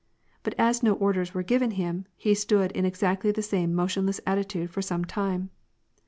But as no orders were given him, he stood in exactly the same motionless attitude for some time.